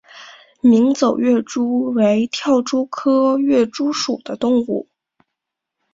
鸣走跃蛛为跳蛛科跃蛛属的动物。